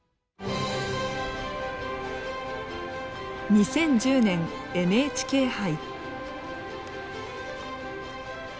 ２０１０年ＮＨＫ杯。